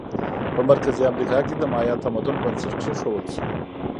په مرکزي امریکا کې د مایا تمدن بنسټ کېښودل شو.